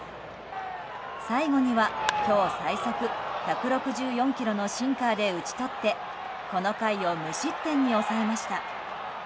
最後には、今日最速１６４キロのシンカーで打ち取ってこの回を無失点に抑えました。